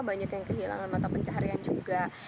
banyak yang kehilangan mata pencaharian juga